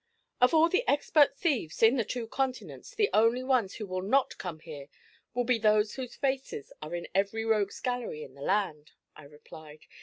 'Of all the expert thieves on the two continents, the only ones who will not come here will be those whose faces are in every rogues' gallery in the land,' I replied.